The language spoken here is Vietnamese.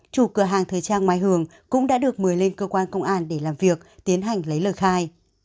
chủ cửa hàng thời trang mai hường cũng đã được mời lên cơ quan công an để làm việc tiến hành lấy lời khai